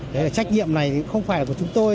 đấy là trách nhiệm này không phải là của chúng tôi